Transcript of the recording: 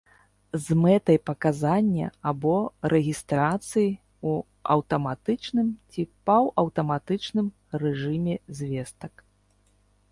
З мэтай паказання або рэгістрацыі ў аўтаматычным ці паўаўтаматычным рэжыме звестак